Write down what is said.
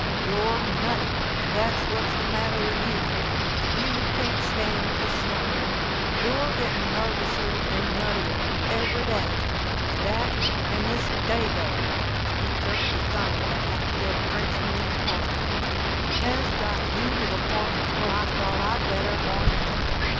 "You're nutty. That's what's the matter with you. You can't stand the snow. You're getting nervouser, and nuttier every day. That and this Dago"—he jerked a thumb at the half dead Frenchman in the corner—"has got you to the point where I thought I better horn in.